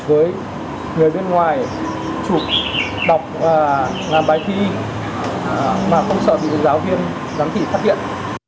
với người bên ngoài chụp đọc và làm bài thi mà không sợ bị giáo viên giám thị phát hiện